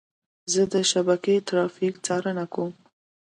زه د شبکې ترافیک څارنه کوم.